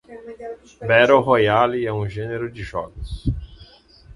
Battle Royale é um gênero de jogos.